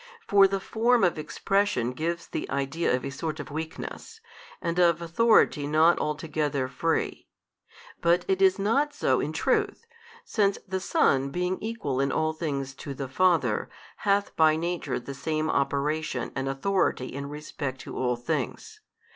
For the form of expression gives the idea of a sort of weakness, and of authority not altogether free; but it is not so in truth, since the Son being Equal in all things to the Father, hath by Nature the same Operation and Authority in respect to all things.